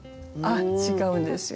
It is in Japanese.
あっ違うんですよ。